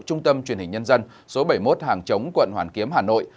trung tâm truyền hình nhân dân số bảy mươi một hàng chống quận hoàn kiếm hà nội